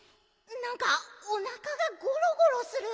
なんかおなかがゴロゴロする。